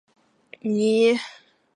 波利尼。